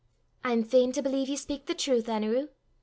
"I'm fain to believe ye speyk the trowth, Anerew!"